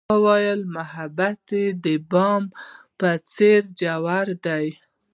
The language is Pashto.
هغې وویل محبت یې د باد په څېر ژور دی.